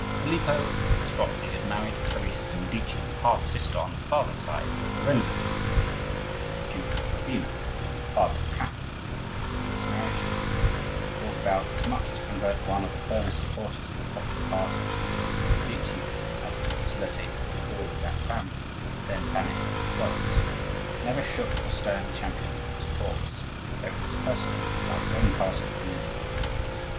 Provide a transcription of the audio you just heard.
Filippo Strozzi had married Clarice de' Medici, half sister on the father's side of Lorenzo de' Medici, Duke of Urbino, father of Catherine; but this marriage, which was brought about as much to convert one of the firmest supporters of the popular party to the cause of the Medici as to facilitate the recall of that family, then banished from Florence, never shook the stern champion from his course, though he was persecuted by his own party for making it.